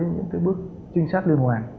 những bước trinh sát liên hoàn